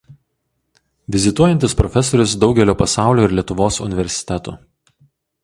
Vizituojantis profesorius daugelio pasaulio ir Lietuvos universitetų.